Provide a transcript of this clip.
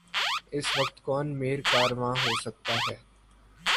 اس وقت کون میر کارواں ہو سکتا ہے؟